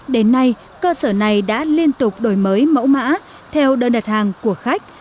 đến nay cơ sở này đã liên tục đổi mới mẫu mã theo đơn đặt hàng của khách